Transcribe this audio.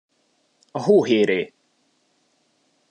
A hóhéré!